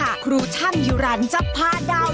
อยู่หลังจับป่าดาวว์